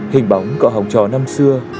hình bóng cọ hồng trò năm xưa